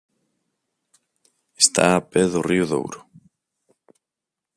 Está a pé do río Douro.